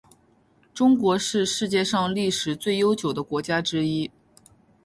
中国是世界上历史最悠久的国家之一。